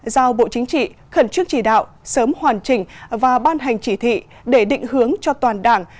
giao bộ chính trị khẩn trương chỉ đạo sớm hoàn chỉnh và ban hành chỉ thị để định hướng cho toàn đảng